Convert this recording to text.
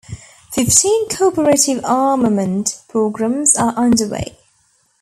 Fifteen cooperative armament programmes are under way.